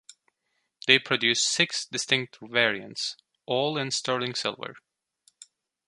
They produced six distinct variants, all in sterling silver.